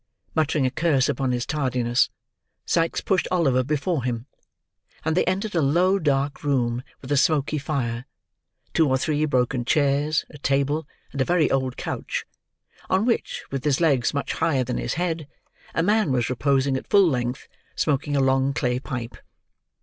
Muttering a curse upon his tardiness, Sikes pushed Oliver before him; and they entered a low dark room with a smoky fire, two or three broken chairs, a table, and a very old couch: on which, with his legs much higher than his head, a man was reposing at full length, smoking a long clay pipe.